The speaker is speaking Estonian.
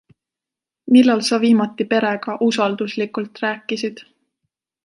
Millal sa viimati perega usalduslikult rääkisid?